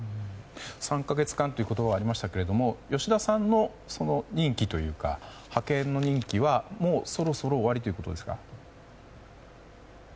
３か月間という言葉がありましたが吉田さんの派遣任期はもうそろそろ終わりということですか。